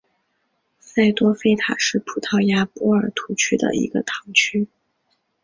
塞多费塔是葡萄牙波尔图区的一个堂区。